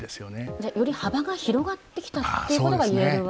じゃあより幅が広がってきたっていうことが言えるわけですね。